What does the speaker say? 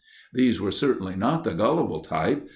These were certainly not the gullible type.